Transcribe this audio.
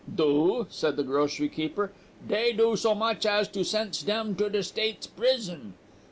"'Do,' said the grocery keeper, 'dey do so much as to sends dem to de States brison.